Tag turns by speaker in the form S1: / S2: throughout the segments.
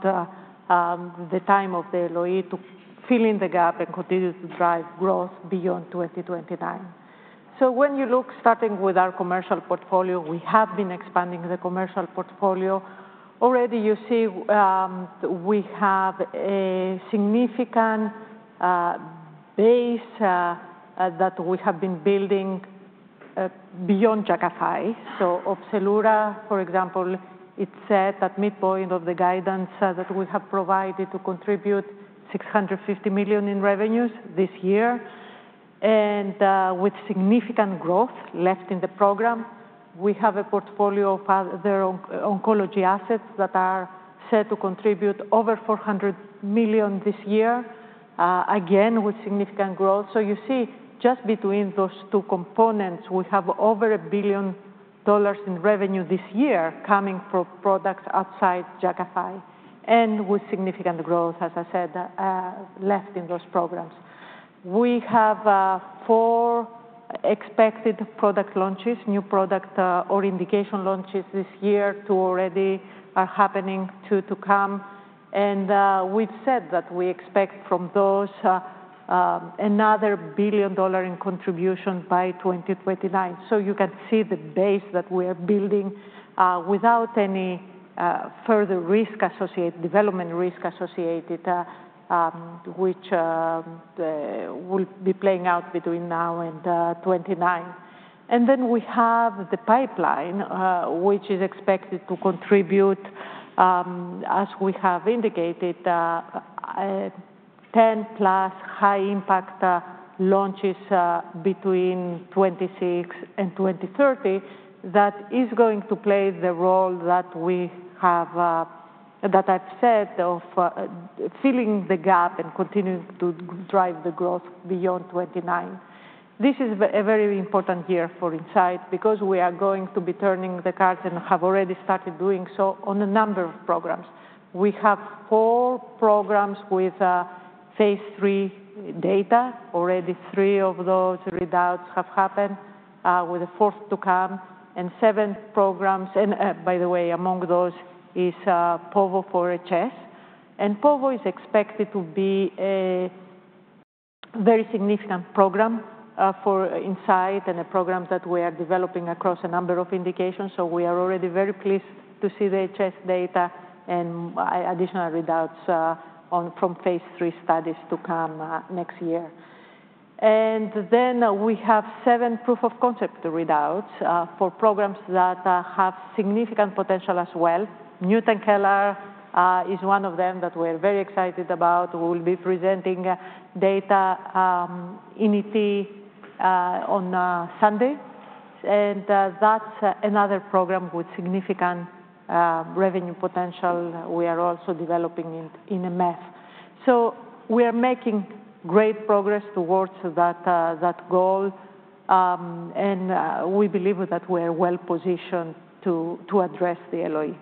S1: The time of the LOE to fill in the gap and continue to drive growth beyond 2029. When you look, starting with our commercial portfolio, we have been expanding the commercial portfolio. Already, you see we have a significant base that we have been building beyond Jakafi. Opzelura, for example, it said at midpoint of the guidance that we have provided to contribute $650 million in revenues this year. With significant growth left in the program, we have a portfolio of other oncology assets that are set to contribute over $400 million this year, again with significant growth. You see, just between those two components, we have over $1 billion in revenue this year coming from products outside Jakafi. With significant growth, as I said, left in those programs. We have four expected product launches, new product or indication launches this year, two already are happening, two to come. We have said that we expect from those another $1 billion in contribution by 2029. You can see the base that we are building without any further risk associated, development risk associated, which will be playing out between now and 2029. We have the pipeline, which is expected to contribute, as we have indicated, 10 plus high impact launches between 2026 and 2030 that is going to play the role that we have, that I've said, of filling the gap and continuing to drive the growth beyond 2029. This is a very important year for Incyte because we are going to be turning the cards and have already started doing so on a number of programs. We have four programs with phase three data. Already three of those readouts have happened, with a fourth to come. Seven programs, and by the way, among those is povorcitinib for HS. Povorcitinib is expected to be a very significant program for Incyte and a program that we are developing across a number of indications. We are already very pleased to see the HS data and additional readouts from phase three studies to come next year. We have seven proof-of-concept readouts for programs that have significant potential as well. mutant CALR is one of them that we are very excited about. We will be presenting data in ET on Sunday. That is another program with significant revenue potential. We are also developing in MF. We are making great progress towards that goal. We believe that we are well positioned to address the LOE.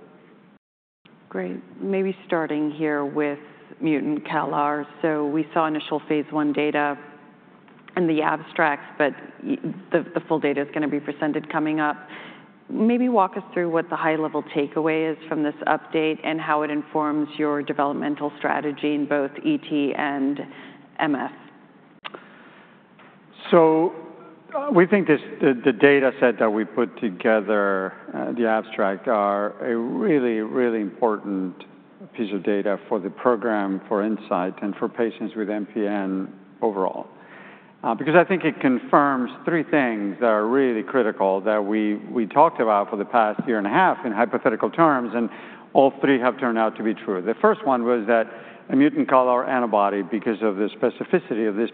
S2: Great. Maybe starting here with mutant CALR. So we saw initial phase one data in the abstracts, but the full data is going to be presented coming up. Maybe walk us through what the high-level takeaway is from this update and how it informs your developmental strategy in both ET and MF.
S3: We think the data set that we put together, the abstract, are a really, really important piece of data for the program, for Incyte, and for patients with MPN overall. I think it confirms three things that are really critical that we talked about for the past year and a half in hypothetical terms, and all three have turned out to be true. The first one was that a new CALR antibody, because of the specificity of this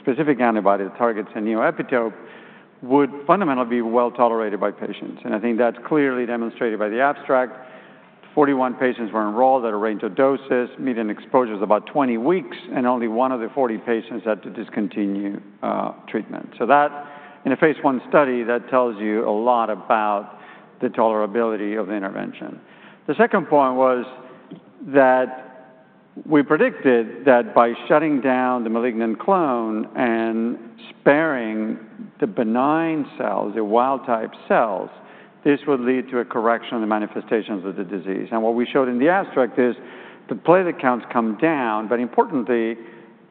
S3: specific antibody that targets a neoepitope, would fundamentally be well tolerated by patients. I think that is clearly demonstrated by the abstract. Forty-one patients were enrolled at a range of doses, median exposure was about 20 weeks, and only one of the 41 patients had to discontinue treatment. In a phase one study, that tells you a lot about the tolerability of the intervention. The second point was that we predicted that by shutting down the malignant clone and sparing the benign cells, the wild-type-cells, this would lead to a correction of the manifestations of the disease. What we showed in the abstract is the platelet counts come down, but importantly,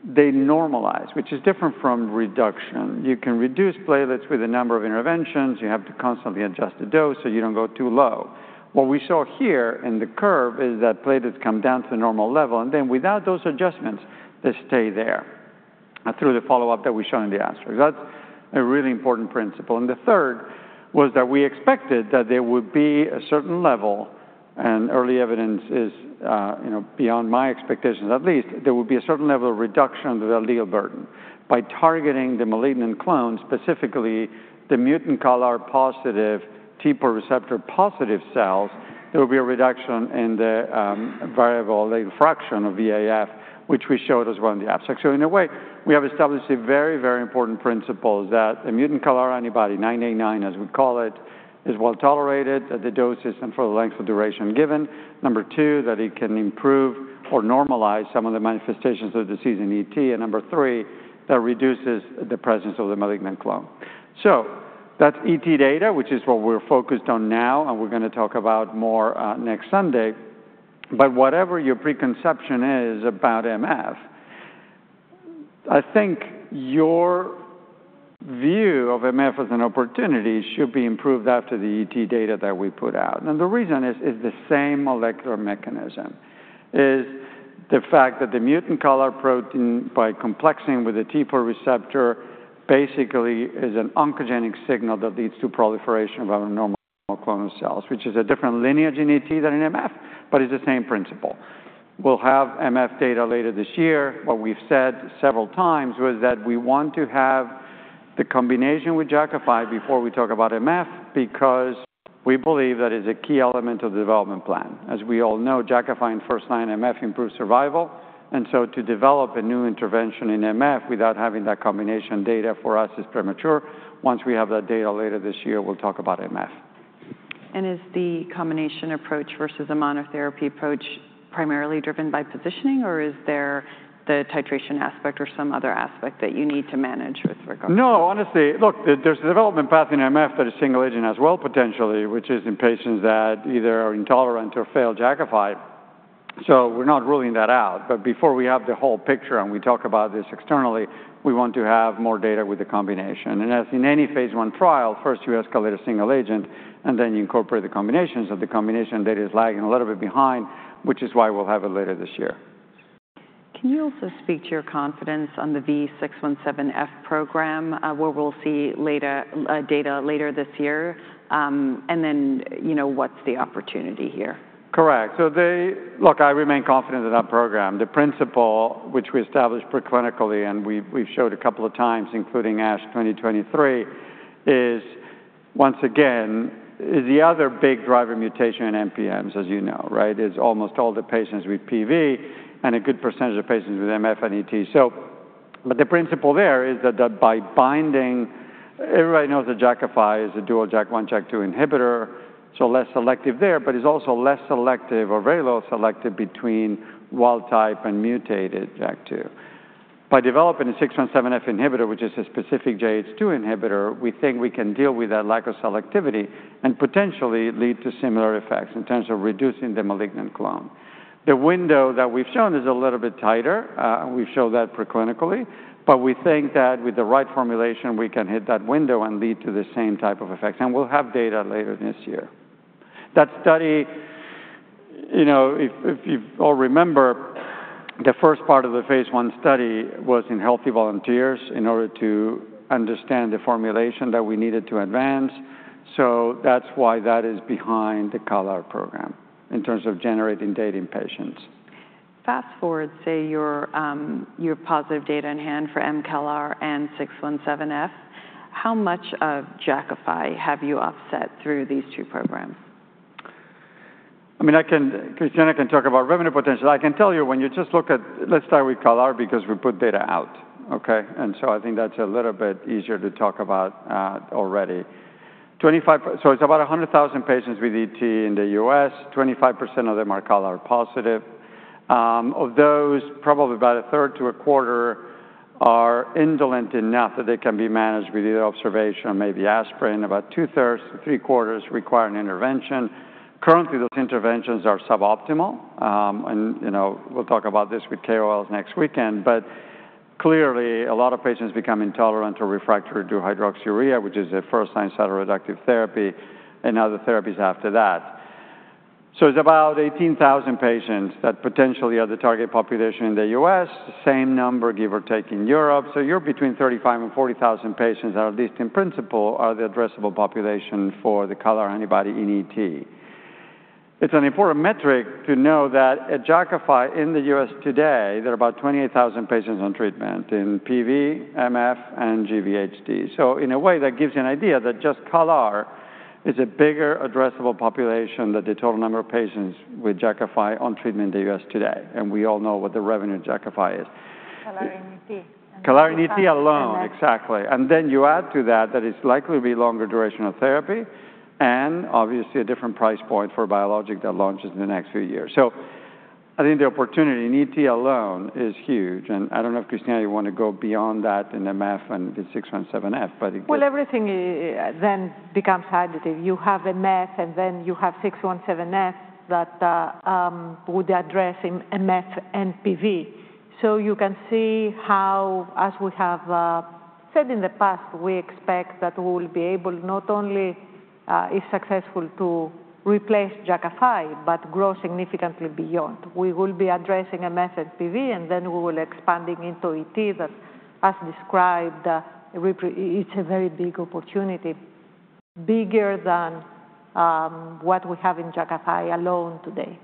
S3: they normalize, which is different from reduction. You can reduce platelets with a number of interventions. You have to constantly adjust the dose so you do not go too low. What we saw here in the curve is that platelets come down to the normal level, and then without those adjustments, they stay there through the follow-up that we show in the abstract. That is a really important principle. The third was that we expected that there would be a certain level, and early evidence is beyond my expectations at least, there would be a certain level of reduction of the allele burden. By targeting the malignant clone, specifically the mutant CALR-positive TPO receptor-positive cells, there will be a reduction in the variant allele frequency, or VAF, which we showed as well in the abstract. In a way, we have established a very, very important principle that a mutant CALR antibody, 9A9 as we call it, is well tolerated at the doses and for the length of duration given. Number two, that it can improve or normalize some of the manifestations of the disease in ET. Number three, that it reduces the presence of the malignant clone. That is ET data, which is what we're focused on now, and we're going to talk about more next Sunday. Whatever your preconception is about MF, I think your view of MF as an opportunity should be improved after the ET data that we put out. The reason is the same molecular mechanism is the fact that the mutant CALR protein, by complexing with a TPO receptor, basically is an oncogenic signal that leads to proliferation of abnormal clonal cells, which is a different lineage in ET than in MF, but it's the same principle. We will have MF data later this year. What we've said several times was that we want to have the combination with Jakafi before we talk about MF because we believe that is a key element of the development plan. As we all know, Jakafi in first line MF improves survival. To develop a new intervention in MF without having that combination data for us is premature. Once we have that data later this year, we'll talk about MF.
S2: Is the combination approach versus a monotherapy approach primarily driven by positioning, or is there the titration aspect or some other aspect that you need to manage with regard to?
S3: No, honestly, look, there's a development path in MF that is single agent as well potentially, which is in patients that either are intolerant or fail Jakafi. We're not ruling that out. Before we have the whole picture and we talk about this externally, we want to have more data with the combination. As in any phase one trial, first you escalate a single agent, and then you incorporate the combinations of the combination that is lagging a little bit behind, which is why we'll have it later this year.
S2: Can you also speak to your confidence on the V617F program, where we'll see data later this year? What's the opportunity here?
S3: Correct. So look, I remain confident in that program. The principle, which we established preclinically and we have showed a couple of times, including ASH 2023, is once again, is the other big driver mutation in MPNs, as you know, right? It is almost all the patients with PV and a good percentage of patients with MF and ET. The principle there is that by binding, everybody knows that Jakafi is a dual JAK1/JAK2 inhibitor, so less selective there, but it is also less selective or very little selective between wild type and mutated JAK2. By developing a 617F inhibitor, which is a specific JH2 inhibitor, we think we can deal with that lack of selectivity and potentially lead to similar effects in terms of reducing the malignant clone. The window that we have shown is a little bit tighter. We've showed that preclinically, but we think that with the right formulation, we can hit that window and lead to the same type of effects. We'll have data later this year. That study, if you all remember, the first part of the phase one study was in healthy volunteers in order to understand the formulation that we needed to advance. That's why that is behind the Keller program in terms of generating data in patients.
S2: Fast forward, say you're positive data in hand for mCALR and 617F. How much of Jakafi have you offset through these two programs?
S3: I mean, Christiana can talk about revenue potential. I can tell you when you just look at, let's start with CALR because we put data out, okay? And so I think that's a little bit easier to talk about already. So it's about 100,000 patients with ET in the U.S.; 25% of them are CALR positive. Of those, probably about a third to a quarter are indolent enough that they can be managed with either observation or maybe aspirin. About two-thirds to three quarters require an intervention. Currently, those interventions are suboptimal. And we'll talk about this with KOLs next weekend. But clearly, a lot of patients become intolerant or refractory to hydroxyurea, which is a first-line cytoreductive therapy, and other therapies after that. So it's about 18,000 patients that potentially are the target population in the U.S. same number, give or take, in Europe. You're between 35,000 and 40,000 patients that, at least in principle, are the addressable population for the CALR antibody in ET. It's an important metric to know that at Jakafi in the U.S. today, there are about 28,000 patients on treatment in PV, MF, and GVHD. In a way, that gives you an idea that just CALR is a bigger addressable population than the total number of patients with Jakafi on treatment in the U.S. today. We all know what the revenue in Jakafi is.
S1: CALR in ET.
S3: Keller in ET alone, exactly. You add to that that it's likely to be longer duration of therapy and obviously a different price point for a biologic that launches in the next few years. I think the opportunity in ET alone is huge. I don't know if Christiana, you want to go beyond that in MF and the 617F, but.
S1: Everything then becomes additive. You have MF, and then you have 617F that would address MF and PV. You can see how, as we have said in the past, we expect that we will be able not only, if successful, to replace Jakafi, but grow significantly beyond. We will be addressing MF and PV, and then we will be expanding into ET that, as described, is a very big opportunity, bigger than what we have in Jakafi alone today.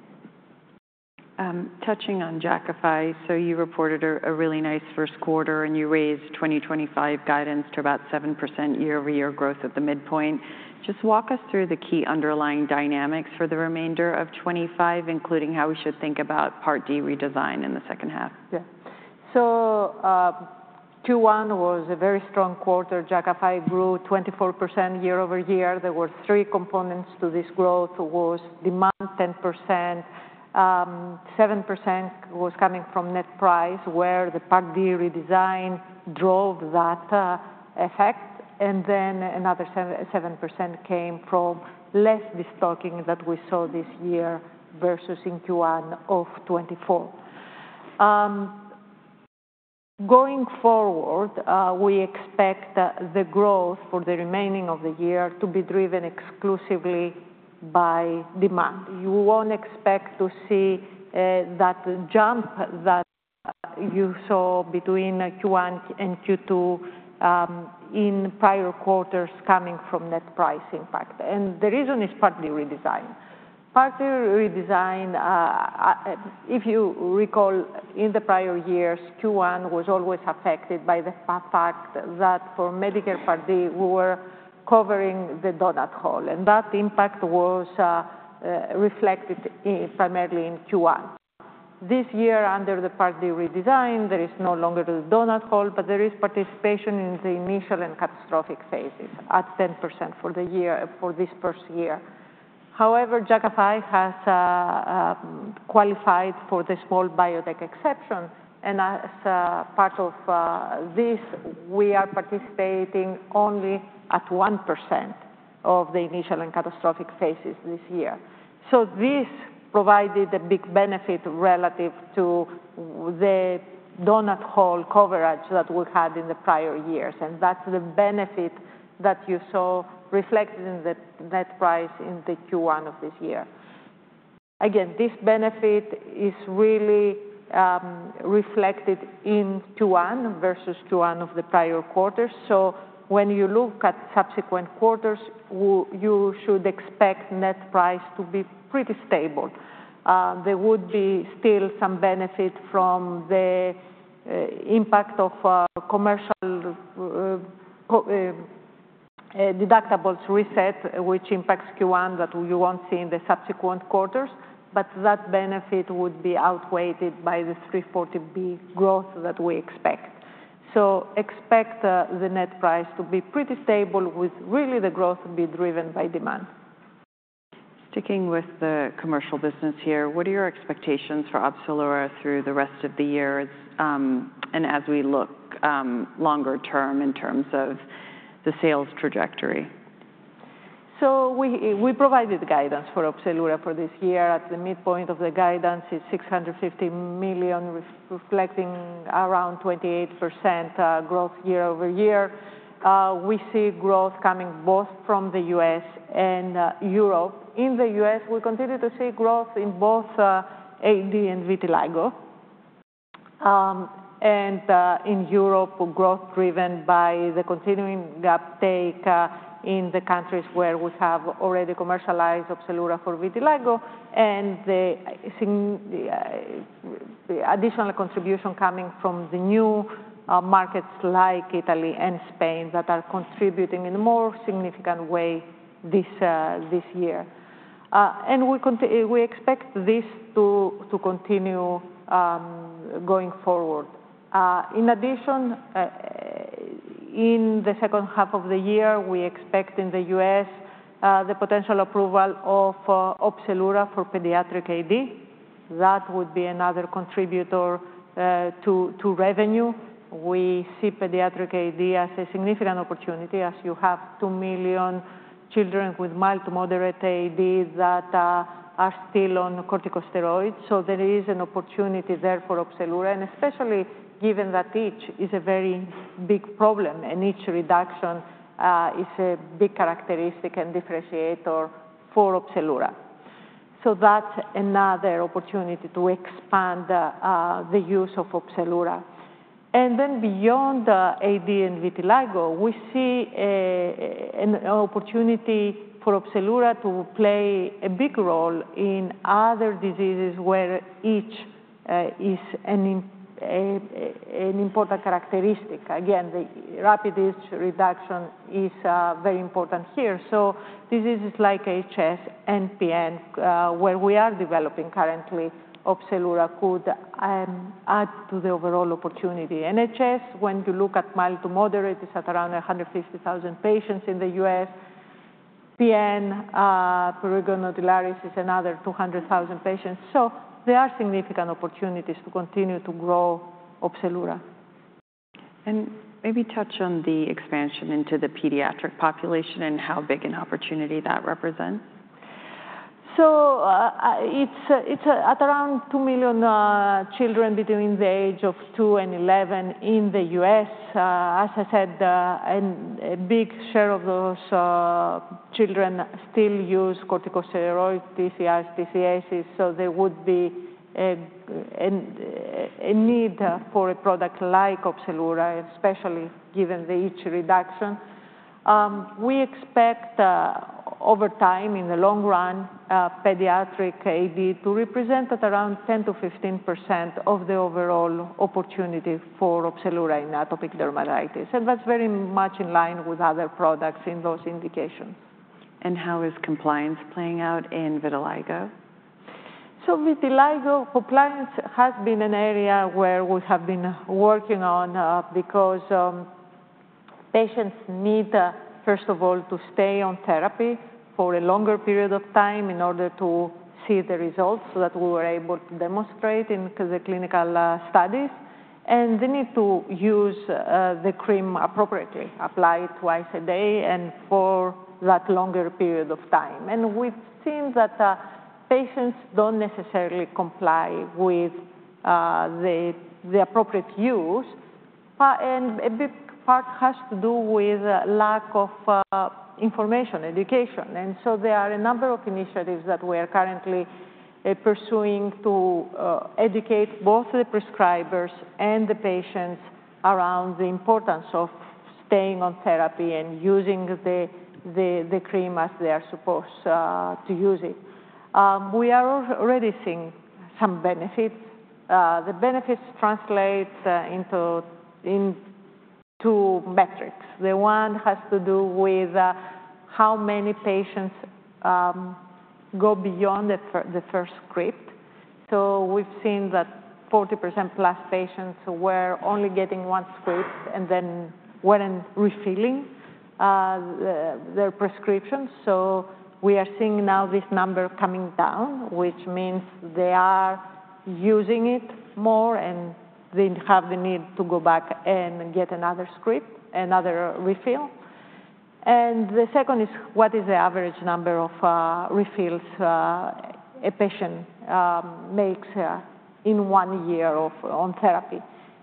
S2: Touching on Jakafi, so you reported a really nice first quarter, and you raised 2025 guidance to about 7% year-over-year growth at the midpoint. Just walk us through the key underlying dynamics for the remainder of 2025, including how we should think about Part D redesign in the second half.
S1: Yeah. Q1 was a very strong quarter. Jakafi grew 24% year over year. There were three components to this growth. It was demand 10%. 7% was coming from net price where the Part D redesign drove that effect. Another 7% came from less destocking that we saw this year versus in Q1 of 2024. Going forward, we expect the growth for the remaining of the year to be driven exclusively by demand. You will not expect to see that jump that you saw between Q1 and Q2 in prior quarters coming from net price impact. The reason is Part D redesign. Part D redesign, if you recall, in the prior years, Q1 was always affected by the fact that for Medicare Part D, we were covering the donut hole. That impact was reflected primarily in Q1. This year, under the Part D redesign, there is no longer the donut hole, but there is participation in the initial and catastrophic phases at 10% for this first year. However, Jakafi has qualified for the small biotech exception. As part of this, we are participating only at 1% of the initial and catastrophic phases this year. This provided a big benefit relative to the donut hole coverage that we had in prior years. That is the benefit that you saw reflected in the net price in Q1 of this year. Again, this benefit is really reflected in Q1 versus Q1 of the prior quarters. When you look at subsequent quarters, you should expect net price to be pretty stable. There would be still some benefit from the impact of commercial deductibles reset, which impacts Q1 that you will not see in the subsequent quarters. That benefit would be outweighed by the 340B growth that we expect. Expect the net price to be pretty stable, with really the growth being driven by demand.
S2: Sticking with the commercial business here, what are your expectations for Opzelura through the rest of the year, and as we look longer term, in terms of the sales trajectory?
S1: We provided guidance for Opzelura for this year. At the midpoint of the guidance is $650 million, reflecting around 28% growth year over year. We see growth coming both from the U.S. and Europe. In the U.S., we continue to see growth in both AD and vitiligo. In Europe, growth is driven by the continuing uptake in the countries where we have already commercialized Opzelura for vitiligo and the additional contribution coming from the new markets like Italy and Spain that are contributing in a more significant way this year. We expect this to continue going forward. In addition, in the second half of the year, we expect in the U.S. the potential approval of Opzelura for pediatric AD. That would be another contributor to revenue. We see pediatric AD as a significant opportunity, as you have 2 million children with mild to moderate AD that are still on corticosteroids. There is an opportunity there for Opzelura, and especially given that itch is a very big problem and itch reduction is a big characteristic and differentiator for Opzelura. That is another opportunity to expand the use of Opzelura. Beyond AD and vitiligo, we see an opportunity for Opzelura to play a big role in other diseases where itch is an important characteristic. Again, the rapid reduction is very important here. Diseases like HS and PN, where we are developing currently, Opzelura could add to the overall opportunity. In HS, when you look at mild to moderate, it is at around 150,000 patients in the U.S. PN, prurigo nodularis, is another 200,000 patients. There are significant opportunities to continue to grow Opzelura.
S2: Maybe touch on the expansion into the pediatric population and how big an opportunity that represents.
S1: It's at around 2 million children between the age of 2 and 11 in the U.S. As I said, a big share of those children still use corticosteroids, TCS, TCACs. There would be a need for a product like Opzelura, especially given the itch reduction. We expect over time, in the long run, pediatric AD to represent at around 10%-15% of the overall opportunity for Opzelura in atopic dermatitis. That's very much in line with other products in those indications.
S2: How is compliance playing out in vitiligo?
S1: Vitiligo, compliance has been an area where we have been working on because patients need, first of all, to stay on therapy for a longer period of time in order to see the results that we were able to demonstrate in the clinical studies. They need to use the cream appropriately, apply it twice a day and for that longer period of time. We have seen that patients do not necessarily comply with the appropriate use. A big part has to do with lack of information, education. There are a number of initiatives that we are currently pursuing to educate both the prescribers and the patients around the importance of staying on therapy and using the cream as they are supposed to use it. We are already seeing some benefits. The benefits translate into metrics. The one has to do with how many patients go beyond the first script. We have seen that 40% plus patients were only getting one script and then were not refilling their prescriptions. We are seeing now this number coming down, which means they are using it more and they have the need to go back and get another script, another refill. The second is what is the average number of refills a patient makes in one year on therapy.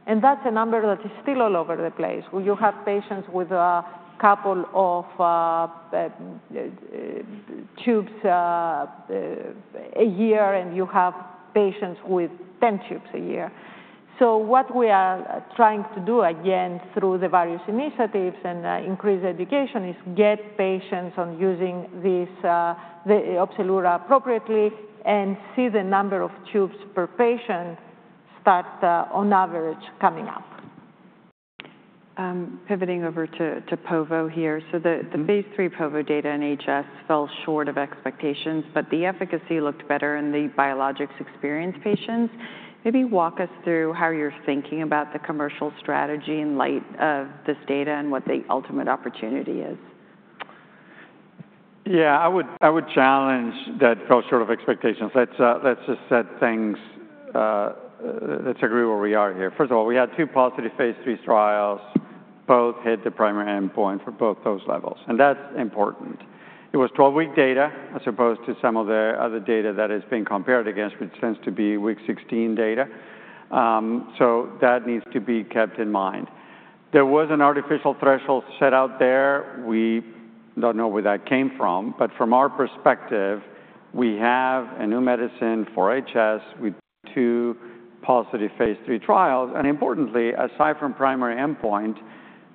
S1: That is a number that is still all over the place. You have patients with a couple of tubes a year and you have patients with 10 tubes a year. What we are trying to do again through the various initiatives and increased education is get patients on using the Opzelura appropriately and see the number of tubes per patient start on average coming up.
S2: Pivoting over to Povo here. The phase three Povo data in HS fell short of expectations, but the efficacy looked better in the biologics-experienced patients. Maybe walk us through how you're thinking about the commercial strategy in light of this data and what the ultimate opportunity is.
S3: Yeah, I would challenge that post-short of expectations. Let's just set things; let's agree where we are here. First of all, we had two positive phase three trials. Both hit the primary endpoint for both those levels. That's important. It was 12-week data as opposed to some of the other data that has been compared against, which tends to be week 16 data. That needs to be kept in mind. There was an artificial threshold set out there. We do not know where that came from, but from our perspective, we have a new medicine for HS with two positive phase three trials. Importantly, aside from primary endpoint,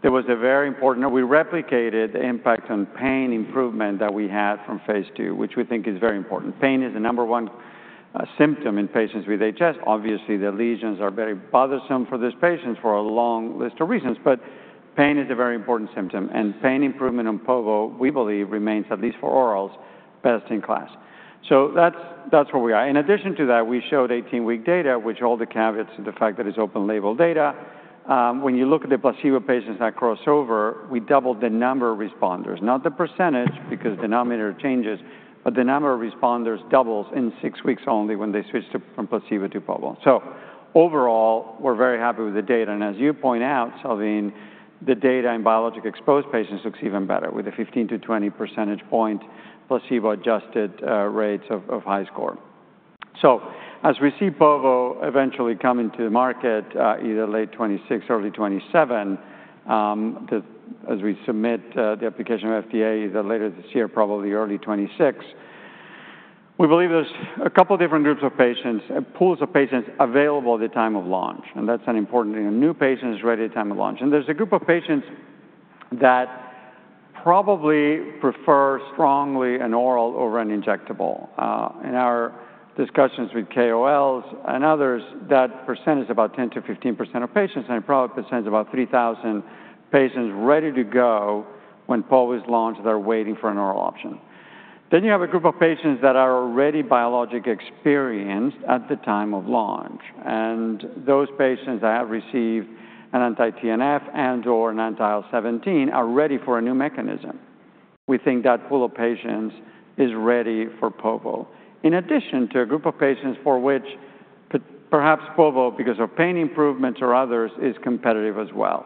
S3: there was a very important—we replicated the impact on pain improvement that we had from phase two, which we think is very important. Pain is the number one symptom in patients with HS. Obviously, the lesions are very bothersome for these patients for a long list of reasons, but pain is a very important symptom. Pain improvement on Povo, we believe, remains, at least for orals, best in class. That is where we are. In addition to that, we showed 18-week data, which holds the caveats to the fact that it is open-label data. When you look at the placebo patients that crossover, we doubled the number of responders, not the percentage because denominator changes, but the number of responders doubles in six weeks only when they switched from placebo to Povo. Overall, we are very happy with the data. As you point out, Salveen, the data in biologic exposed patients looks even better with a 15-20 percentage point placebo-adjusted rates of high score. As we see Povo eventually coming to the market, either late 2026, early 2027, as we submit the application to FDA either later this year, probably early 2026, we believe there are a couple of different groups of patients, pools of patients available at the time of launch. That is an important thing. New patients ready at the time of launch. There is a group of patients that probably prefer strongly an oral over an injectable. In our discussions with KOLs and others, that percent is about 10-15% of patients. It probably is about 3,000 patients ready to go when Povo is launched that are waiting for an oral option. You have a group of patients that are already biologic experienced at the time of launch. Those patients that have received an anti-TNF and/or an anti-IL-17 are ready for a new mechanism. We think that pool of patients is ready for Povo, in addition to a group of patients for which perhaps Povo, because of pain improvements or others, is competitive as well.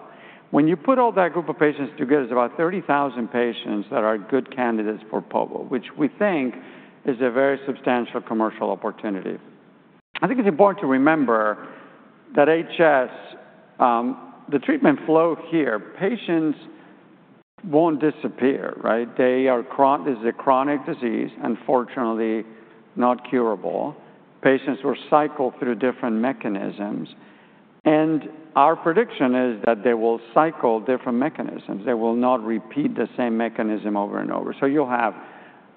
S3: When you put all that group of patients together, it is about 30,000 patients that are good candidates for Povo, which we think is a very substantial commercial opportunity. I think it is important to remember that HS, the treatment flow here; patients will not disappear, right? There is a chronic disease, unfortunately not curable. Patients were cycled through different mechanisms. Our prediction is that they will cycle different mechanisms. They will not repeat the same mechanism over and over. You will have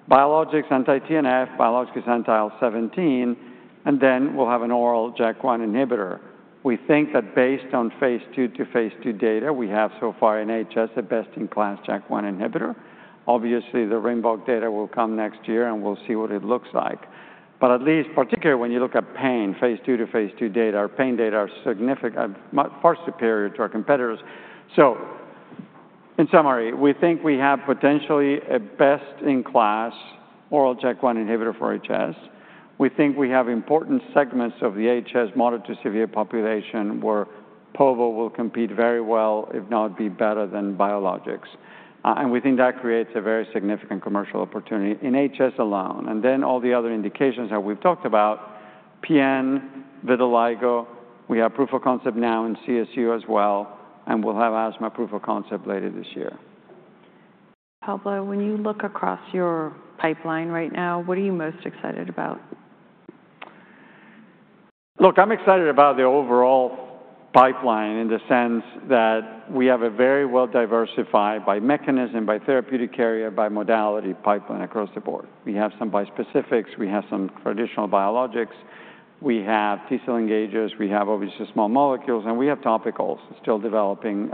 S3: biologics anti-TNF, biologics anti-IL-17, and then we will have an oral JAK1 inhibitor. We think that based on phase two to phase two data, we have so far in HS a best-in-class JAK1 inhibitor. Obviously, the rainbow data will come next year, and we'll see what it looks like. At least, particularly when you look at pain, phase two to phase two data, our pain data are significant, far superior to our competitors. In summary, we think we have potentially a best-in-class oral JAK1 inhibitor for HS. We think we have important segments of the HS moderate-to-severe population where Povo will compete very well, if not be better than biologics. We think that creates a very significant commercial opportunity in HS alone. All the other indications that we've talked about, PN, vitiligo, —we have proof of concept now in CSU as well, and we'll have asthma proof of concept later this year.
S2: Pablo, when you look across your pipeline right now, what are you most excited about?
S3: Look, I'm excited about the overall pipeline in the sense that we have a very well-diversified by mechanism, by therapeutic area, by modality pipeline across the board. We have some bispecifics. We have some traditional biologics. We have T-cell engagers. We have obviously small molecules, and we have topicals, still developing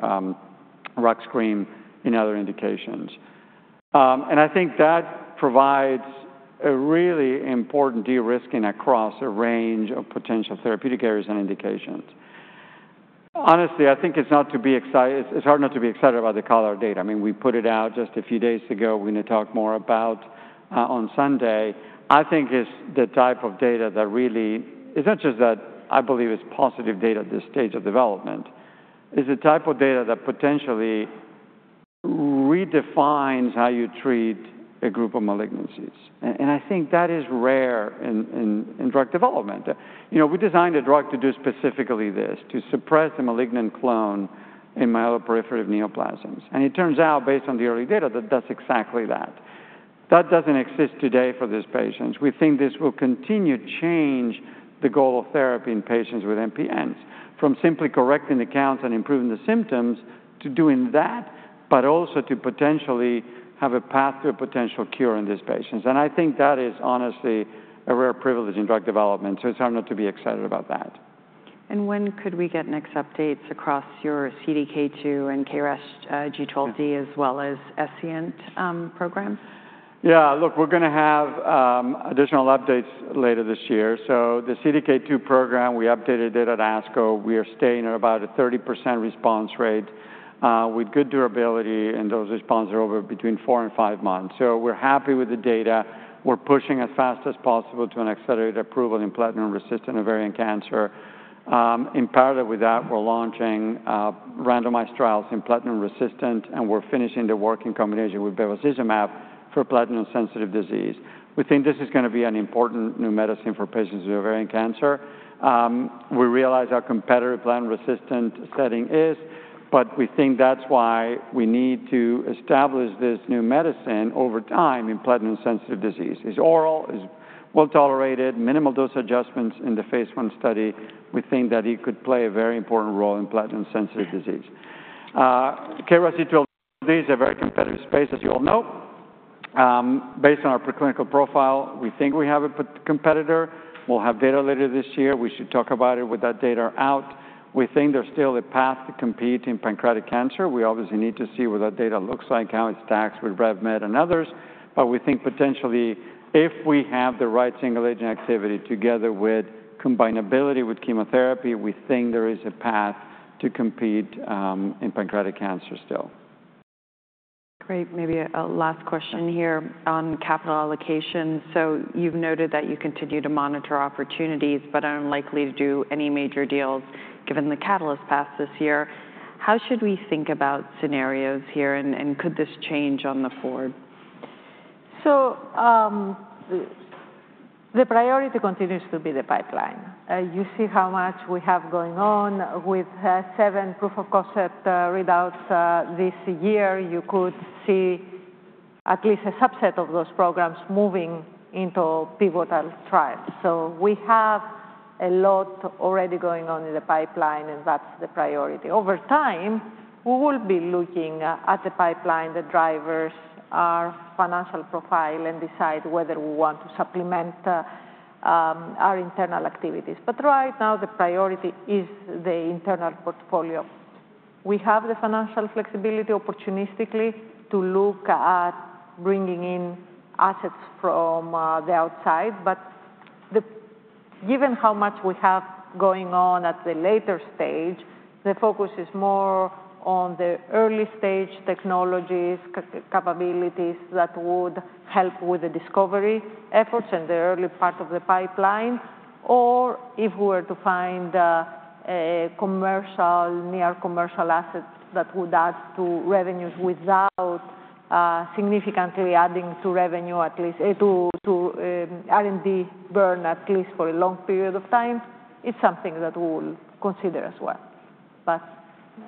S3: Rux cream in other indications. I think that provides a really important de-risking across a range of potential therapeutic areas and indications. Honestly, I think it's hard not to be excited about the CALR data. I mean, we put it out just a few days ago. We're going to talk more about it on Sunday. I think it's the type of data that really, it's not just that I believe it's positive data at this stage of development, it's the type of data that potentially redefines how you treat a group of malignancies. I think that is rare in drug development. We designed a drug to do specifically this, to suppress the malignant clone in myeloproliferative neoplasms. It turns out, based on the early data, that that is exactly that. That does not exist today for these patients. We think this will continue to change the goal of therapy in patients with MPNs from simply correcting the counts and improving the symptoms to doing that, but also to potentially have a path to a potential cure in these patients. I think that is honestly a rare privilege in drug development. It is hard not to be excited about that.
S2: When could we get next updates across your CDK2 and KRAS G12D as well as Essyant program?
S3: Yeah, look, we're going to have additional updates later this year. The CDK2 program, —we updated it at ASCO. We are staying at about a 30% response rate with good durability, and those responses are over between four and five months. We're happy with the data. We're pushing as fast as possible to an accelerated approval in platinum-resistant ovarian cancer. In parallel with that, we're launching randomized trials in platinum-resistant, and we're finishing the work in combination with bevacizumab for platinum-sensitive disease. We think this is going to be an important new medicine for patients with ovarian cancer. We realize our competitor platinum-resistant setting is, but we think that's why we need to establish this new medicine over time in platinum-sensitive disease. It's oral, it's well tolerated, minimal dose adjustments in the phase one study. We think that it could play a very important role in platinum-sensitive disease. KRAS G12D is a very competitive space, as you all know. Based on our preclinical profile, we think we have a competitor. We'll have data later this year. We should talk about it with that data out. We think there's still a path to compete in pancreatic cancer. We obviously need to see what that data looks like, how it's taxed with RevMed and others. We think potentially if we have the right single-agent activity together with combinability with chemotherapy, we think there is a path to compete in pancreatic cancer still.
S2: Great. Maybe a last question here on capital allocation. So you've noted that you continue to monitor opportunities, but unlikely to do any major deals given the catalyst pass this year. How should we think about scenarios here, and could this change on the forward?
S1: The priority continues to be the pipeline. You see how much we have going on with seven proof-of-concept readouts this year. You could see at least a subset of those programs moving into pivotal trials. We have a lot already going on in the pipeline and that's the priority. Over time, we will be looking at the pipeline, the drivers, our financial profile and decide whether we want to supplement our internal activities. Right now, the priority is the internal portfolio. We have the financial flexibility opportunistically to look at bringing in assets from the outside. Given how much we have going on at the later stage, the focus is more on the early stage technologies, capabilities that would help with the discovery efforts in the early part of the pipeline, or if we were to find a commercial, near-commercial asset that would add to revenues without significantly adding to R&D burn at least for a long period of time, it is something that we will consider as well.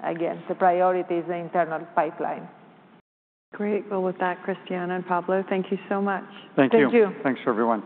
S1: Again, the priority is the internal pipeline.
S2: Great. With that, Christiana and Pablo, thank you so much.
S3: Thank you.
S1: Thank you.
S3: Thanks for everyone.